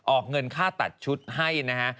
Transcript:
ออกเงินค่าตัดชุดให้นะฮะ